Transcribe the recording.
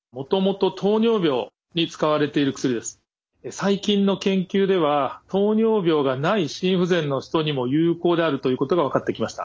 最近の研究では糖尿病がない心不全の人にも有効であるということが分かってきました。